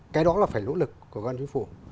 cái đó là phải nỗ lực của cơ quan chính phủ